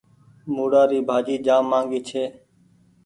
موُڙآ ري ڀآجي جآم ماگي هيتي۔